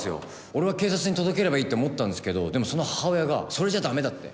俺は警察に届ければいいって思ったんですけどでもその母親がそれじゃ駄目だって。